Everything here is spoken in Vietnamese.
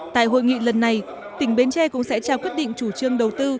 tại hội nghị lần này tỉnh bến tre cũng sẽ trao quyết định chủ trương đầu tư